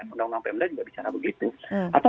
undang undang pmd juga bicara begitu